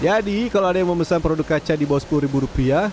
jadi kalau ada yang memesan produk kaca di bawah sepuluh ribu rupiah